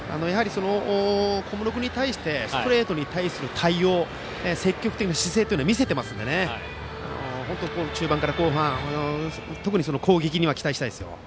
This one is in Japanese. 小室君のストレートに対する対応でも積極的な姿勢を見せていますから本当に中盤から後半特に攻撃には期待したいですよ。